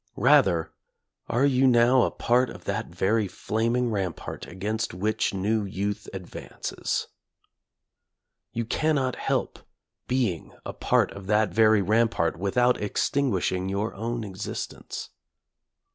Rather are you now a part of that very flaming rampart against which new [h] youth advances. You cannot help being a part of that very rampart without extinguishing your own existence.